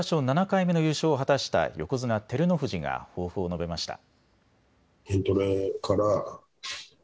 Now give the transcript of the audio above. ７回目の優勝を果たした横綱・照ノ富士が抱負を述べました。